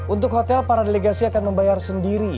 untuk hotel para delegasi akan membayar sendiri